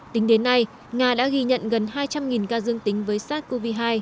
tính đến nay nga đã ghi nhận gần hai trăm linh ca dương tính với sars cov hai